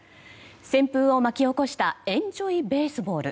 旋風を巻き起こしたエンジョイ・ベースボール。